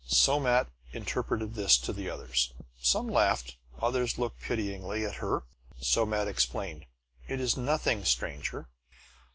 Somat interpreted this to the others. Some laughed; others looked pityingly at her. Somat explained: "It is nothing, stranger.